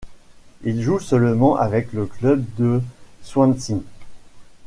Il joue seulement avec le club de Swansea.